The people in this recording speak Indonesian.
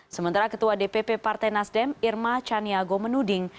sementara ketua dpp partai nasdem irma caniago menuding